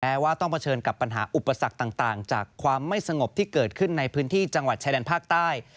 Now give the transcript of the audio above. ว่าต้องเผชิญกับปัญหาอุปสรรคต่างจากความไม่สงบที่เกิดขึ้นในพื้นที่จังหวัดชายแดนภาคใต้